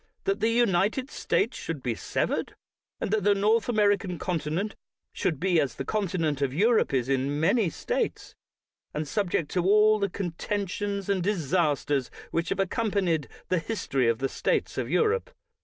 — that the United States should be severed, and that the North American continent should be as the continent of Europe is in many States, and subject to all the contentions and disasters which have accompanied the history of the states of Europe.